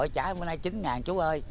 chả bữa nay chín ngàn chú ơi